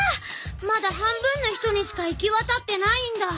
まだ半分の人にしか行きわたってないんだ。